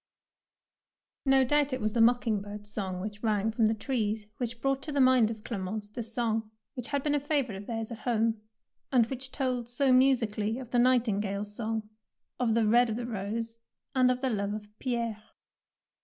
No doubt it was the mocking bird^ s song which rang from the trees which brought to the mind of Clemence this song, which had been a favourite of theirs at home, and which told so mu sically of the nightingale's song, of the red of the rose, and of the love of '' Pierre."